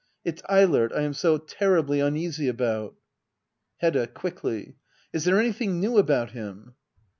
It's Eilert I am so terribly uneasy about. Hedda. [Quickly.'] Is there anything new about him